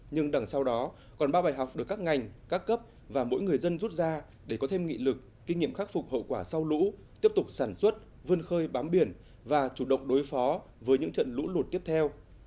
nhưng đằng sau đó còn ba bài học được các ngành các cấp và mỗi người dân rút ra để có thêm nghị lực kinh nghiệm khắc phục hậu quả sau lũ tiếp tục sản xuất vươn khơi bám biển và chủ động đối phó với những trận lũ lụt tiếp theo